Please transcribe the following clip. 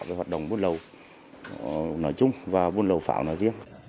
cái hoạt động buôn lậu nói chung và buôn lậu pháo nói riêng